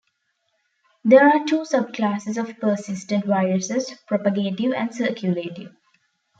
There are two sub-classes of persistent viruses: propagative and circulative.